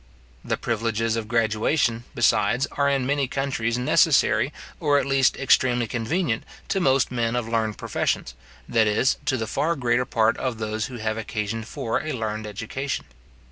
The privileges of graduation, besides, are in many countries necessary, or at least extremely convenient, to most men of learned professions, that is, to the far greater part of those who have occasion for a learned education.